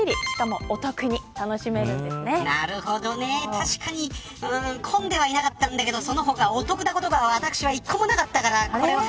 確かに混んではいなかったけどその他お得なことが１個もなかったから。